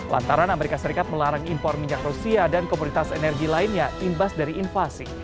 lantaran amerika serikat melarang impor minyak rusia dan komoditas energi lainnya imbas dari invasi